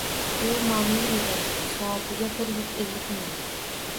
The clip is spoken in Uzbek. U mamnun edi. Soatiga bir yuz ellik mil!